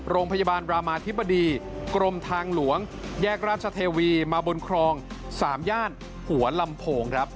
โรงพยาบาลรามาธิบดีกรมทางหลวงแยกราชเทวีมาบนครอง๓ย่านหัวลำโพงครับ